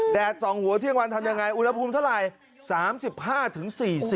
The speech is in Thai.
แดดส่องหัวเที่ยงวันทำอย่างไรอุณหภูมิเท่าไร